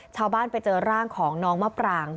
ชาวบ้านไปเจอร่างของน้องมับร่าง